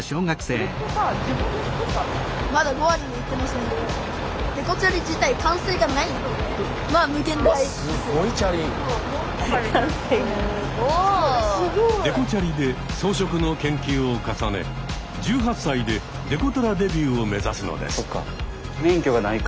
そんな中デコトラ魂を継承するのがデコチャリで装飾の研究を重ね１８歳でデコトラデビューを目指すのです。